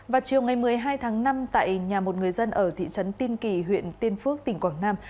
vào chiều ngày một mươi hai tháng năm tại nhà một người dân ở thị trấn tiên kỳ huyện tiên phước tỉnh quảng nam